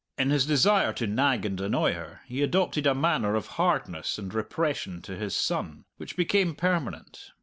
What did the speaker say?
In his desire to nag and annoy her he adopted a manner of hardness and repression to his son which became permanent.